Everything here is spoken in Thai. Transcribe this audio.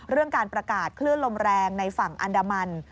เรื่องการประกาศคลื่นลมแรงในฝั่งอันดามัน